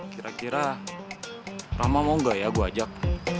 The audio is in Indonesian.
kira kira lama mau enggak ya gua ajak